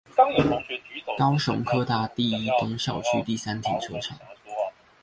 高雄科大第一東校區第三停車場